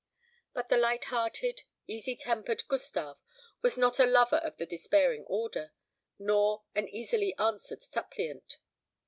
But the light hearted, easy tempered Gustave was not a lover of the despairing order, nor an easily answered suppliant.